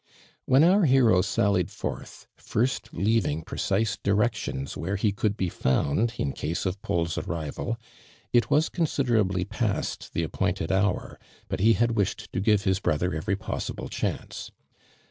When our hero sallied forth, first leaving precise directions where he could be found in case of Paul's arrival, it was considerably past the appointed hour, but he had wished to give his brother every possible chance.